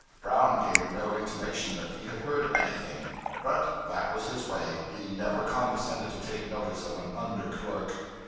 Brown gave no intimation that he had heard anything. But that was his way: he never condescended to take notice of an under clerk.